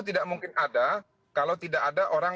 tidak mungkin ada kalau tidak ada orang